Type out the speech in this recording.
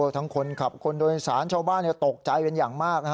คนขับคนโดยสารชาวบ้านตกใจเป็นอย่างมาก